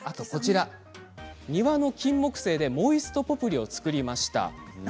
庭のキンモクセイでモイストポプリって何。